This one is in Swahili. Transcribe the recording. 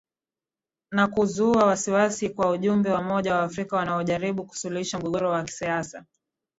nakuzua wasiwasi kwa ujumbe wa umoja wa afrika wanaojaribu kusuluhisha mgogoro wa kisiasa